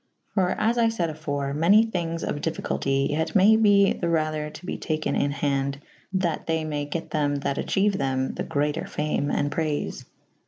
For as I fayd afore ^ many thyng^j of difficulty yet may be the rather to be taken in'' hawde / that they may get them that acheuethem the greater fame and prayfe.